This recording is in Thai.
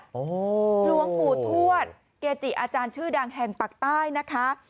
โอ้โหหลวงปู่ทวดเกจิอาจารย์ชื่อดังแห่งปากใต้นะคะ